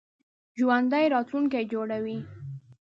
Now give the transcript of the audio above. ژوندي راتلونکی جوړوي